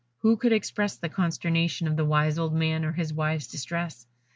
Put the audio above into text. Who could express the consternation of the wise old man, or his wife's distress?